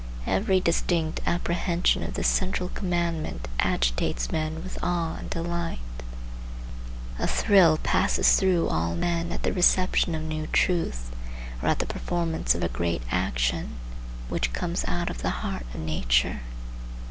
Every distinct apprehension of this central commandment agitates men with awe and delight. A thrill passes through all men at the reception of new truth, or at the performance of a great action, which comes out of the heart of nature.